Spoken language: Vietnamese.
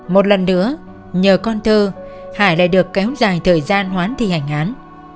một lần nữa nhờ con thơ hải lại được cái hút dài thời gian hoãn thi hành án